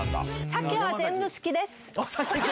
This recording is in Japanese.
酒は全部好きです。